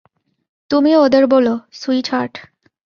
তুমিই ওদের বোলো, সুইটহার্ট।